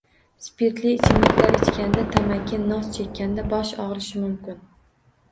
Spirtli ichimliklar ichganda, tamaki, nos chekkanda bosh og‘rishi mumkin.